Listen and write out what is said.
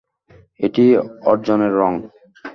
এটি অর্জনের রঙ।